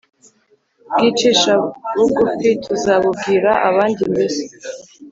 bwicisha bugufi, tuzabubwira abandi, mbese